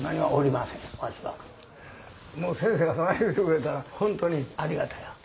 先生がそう言ってくれたらホントにありがたや。